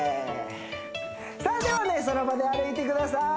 さあではねその場で歩いてください